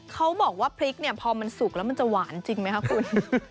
เขาบอกว่าพริกเนี่ยพอมันสุกแล้วมันจะหวานจริงไหมคะคุณ